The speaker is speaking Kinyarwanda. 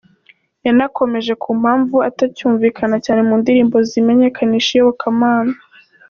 Yanakomoje ku mpamvu atacyumvikana cyane mu ndirimbo zimenyekanisha iyobokamana.